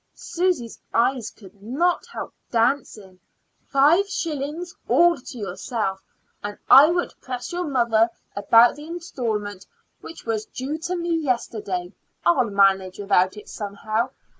Susy's eyes could not help dancing. "Five shillings all to yourself; and I won't press your mother about the installment which was due to me yesterday. I'll manage without it somehow.